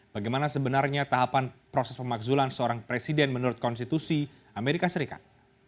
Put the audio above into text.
bagaimana sebenarnya tahapan proses pemakzulan seorang presiden menurut konstitusi amerika serikat